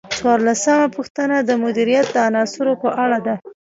څوارلسمه پوښتنه د مدیریت د عناصرو په اړه ده.